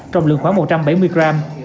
trong lượng khoảng một trăm bảy mươi gram